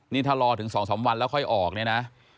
นี่ถ้ารอถึง๒๓วันแล้วค่อยออกเนี่ยนะ